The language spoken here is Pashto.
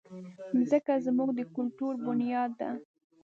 مځکه زموږ د کلتور بنیاد ده.